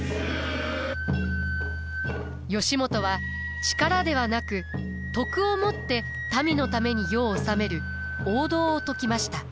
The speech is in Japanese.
義元は力ではなく徳をもって民のために世を治める王道を説きました。